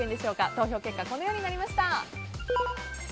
投票結果こうなりました。